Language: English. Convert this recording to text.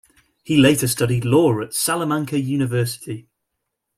He later studied law at Salamanca University.